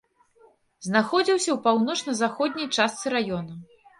Знаходзіўся ў паўночна-заходняй частцы раёна.